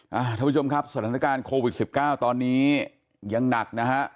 ท่านผู้ชมครับสถานการณ์โควิดสิบเก้าตอนนี้ยังหนักนะฮะ